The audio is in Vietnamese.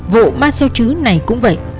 vụ ma xeo chứ này cũng vậy